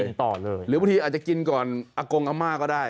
ต่อเลยหรือบางทีอาจจะกินก่อนอากงอาม่าก็ได้